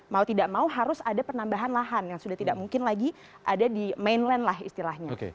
mau tidak mau harus ada penambahan lahan yang sudah tidak mungkin lagi ada di mainland lah istilahnya